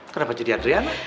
kenapa jadi adriana